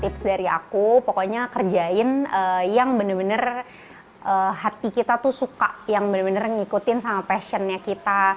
tips dari aku pokoknya kerjain yang bener bener hati kita tuh suka yang bener bener ngikutin sama passionnya kita